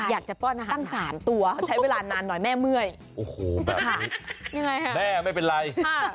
อยากจะป้อนอาหารตัวตั้งสารตัวใช้เวลานานหน่อยแม่เมื่อย